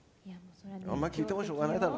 あんま聞いてもしょうがないだろ。